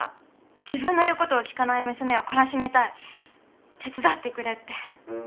自分の言う事を聞かない娘をこらしめたい手伝ってくれって。